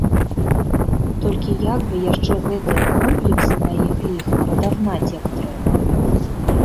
Толькі як бы яшчэ гэтыя комплексы, на іх ліха, падагнаць, як трэба.